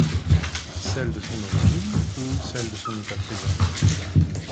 Celle de son origine ou celle de son état présent?